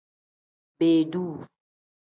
Beeduu.